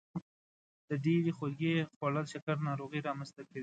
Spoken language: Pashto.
د ډیرې خوږې خوړل شکر ناروغي رامنځته کوي.